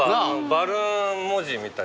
バルーン文字みたい。